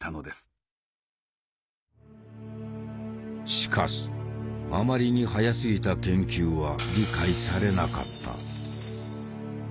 しかしあまりに早すぎた研究は理解されなかった。